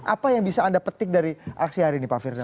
apa yang bisa anda petik dari aksi hari ini pak firdaus